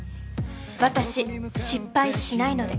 私失敗しないので。